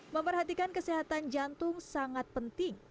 memperhatikan kesehatan jantung sangat penting